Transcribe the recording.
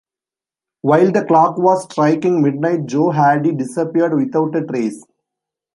While the clock was striking midnight Joe Hardy disappeared without a trace.